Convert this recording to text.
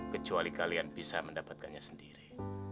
kecuali kalian bisa mendapatkannya sendiri